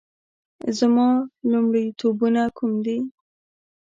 زما لومړیتوبونه کوم دي؟